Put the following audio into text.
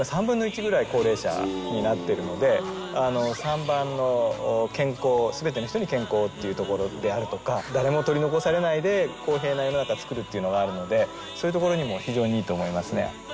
３番の「すべての人に健康」っていうところであるとか誰も取り残されないで公平な世の中つくるっていうのがあるのでそういうところにも非常にいいと思いますね。